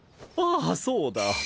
ああそうだ。